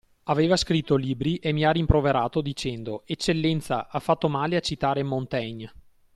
Aveva scritto libri e mi ha rimproverato dicendo: Eccellenza, ha fatto male a citare Montaigne